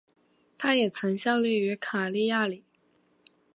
他也曾效力于卡利亚里。